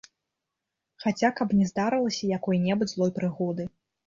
Хаця каб не здарылася якой-небудзь злой прыгоды!